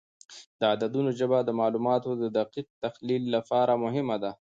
د عددونو ژبه د معلوماتو د دقیق تحلیل لپاره مهمه ده.